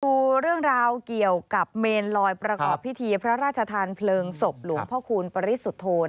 ดูเรื่องราวเกี่ยวกับเมนลอยประกอบพิธีพระราชทานเพลิงศพหลวงพ่อคูณปริสุทธน